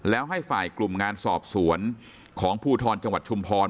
แล้วให้ฝ่ายกลุ่มงานสอบสวนของภูทรจังหวัดชุมพร